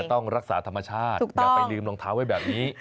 ต้องรักษาธรรมชาติอย่าไปลืมรองเท้าไว้แบบนี้